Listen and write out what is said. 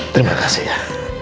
terima kasih ya